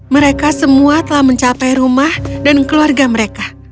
mereka semua telah mencapai rumah dan keluarga mereka